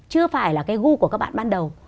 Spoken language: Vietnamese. chưa phải là cái gu của các bạn ban đầu